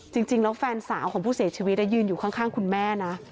จริงแล้วแฟนสาวของผู้เสียชีวิตยืนอยู่ข้างคุณแม่นะ